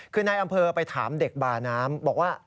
คือนายอำเภอไปถามเด็กบาน้ำบอกว่า